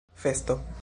festo